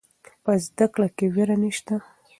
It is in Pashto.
په زده کړه کې ویره نشته.